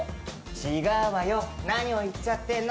違うわよ、何を言っちゃってんの。